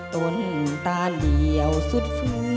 ต้นตาเดี่ยวสุดฟื้น